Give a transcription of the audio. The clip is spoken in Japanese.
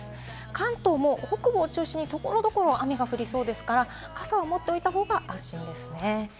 関東も北部を中心に所々、雨が降りそうですから、傘を持っておいた方が安心ですね。